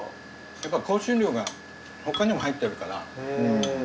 やっぱ香辛料が他にも入ってるからうん。